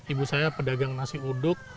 ibu saya pedagang nasi uduk